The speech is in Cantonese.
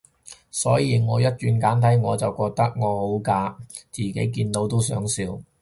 所以我一轉簡體，我就覺得我好假，自己見到都想笑